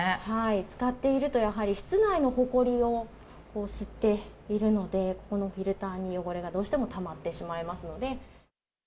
使っていると、やはり室内のほこりを吸っているので、このフィルターに汚れがどうしてもたまってしまいますので。